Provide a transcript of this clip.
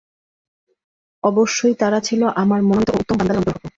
অবশ্যই তারা ছিল আমার মনোনীত ও উত্তম বান্দাদের অন্তর্ভুক্ত।